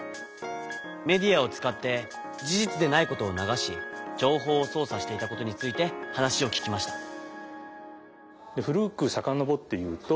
メディアを使って事実でないことを流し情報をそう作していたことについて話を聞きました。